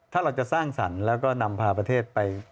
ถ้าเราจะสร้างสรรค์แล้วก็นำพาประเทศไป